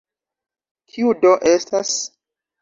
Kiu do estas?